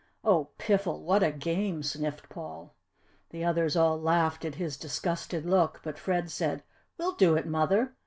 "Oh piffle! what a game!" sniffed Paul. The others all laughed at his disgusted look but Fred said, "We'll do it, mother!